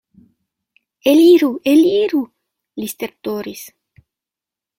Eliru, eliru, li stertoris.